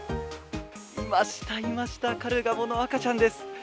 いました、いました、カルガモの赤ちゃんです。